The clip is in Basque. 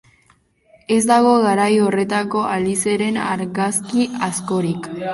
Ez dago garai horretako Aliceren argazki askorik.